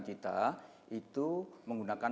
kita itu menggunakan